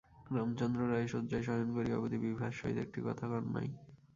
রামচন্দ্র রায় শয্যায় শয়ন করিয়া অবধি বিভার সহিত একটি কথা কন নাই।